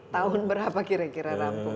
tahun berapa kira kira rampung